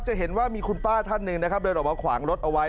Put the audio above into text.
จะเห็นว่ามีคุณป้าท่านหนึ่งนะครับเดินออกมาขวางรถเอาไว้